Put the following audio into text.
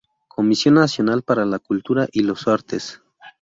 Comisión nacional para la cultura y los artes.